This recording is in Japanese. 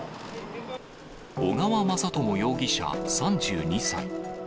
小川雅朝容疑者３２歳。